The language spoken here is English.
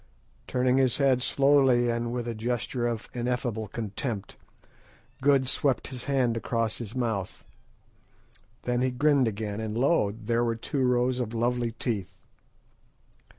Turning his head slowly and with a gesture of ineffable contempt, Good swept his hand across his mouth. Then he grinned again, and lo, there were two rows of lovely teeth.